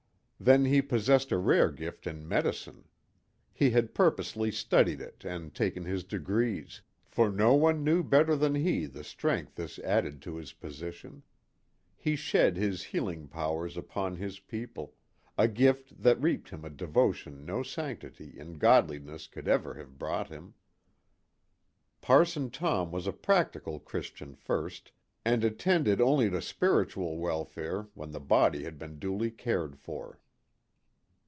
Then he possessed a rare gift in medicine. He had purposely studied it and taken his degrees, for no one knew better than he the strength this added to his position. He shed his healing powers upon his people, a gift that reaped him a devotion no sanctity and godliness could ever have brought him. Parson Tom was a practical Christian first, and attended only to spiritual welfare when the body had been duly cared for.